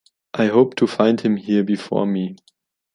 I hoped to find him here before me.